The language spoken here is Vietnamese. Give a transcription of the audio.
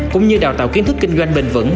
cũng như đào tạo kiến thức kinh doanh bền vững